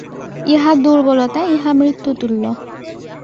ইহা দুর্বলতা, ইহা মৃত্যুতুল্য।